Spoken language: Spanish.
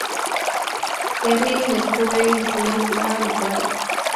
Pierre Lescure diseñó el habitáculo de combate.